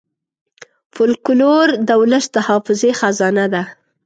فلکور د ولس د حافظې خزانه ده.